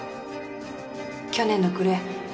去年の暮れ。